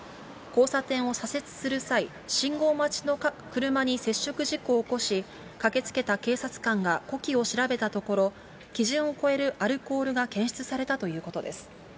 交差点を左折する際、信号待ちの車に接触事故を起こし、駆けつけた警察官が呼気を調べたところ、基準を超えるアルコールが検出されたということです。